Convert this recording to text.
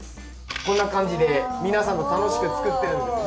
こんな感じで皆さんと楽しく作ってるんですね。